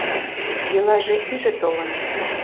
— Делаже иже толын...